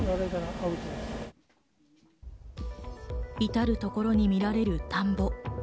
至るところに見られる田んぼ。